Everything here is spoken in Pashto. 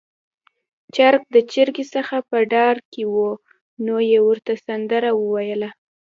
چرګ د چرګې څخه په ډار کې و، نو يې ورته سندرې وويلې